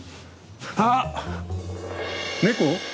あっ猫？